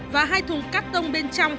và hai thùng cắt tông bên trong